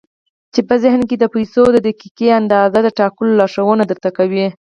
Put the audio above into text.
چې په ذهن کې د پيسو د دقيقې اندازې د ټاکلو لارښوونه درته کوي.